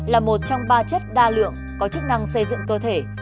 là một trong ba chất đa lượng có chức năng xây dựng cơ thể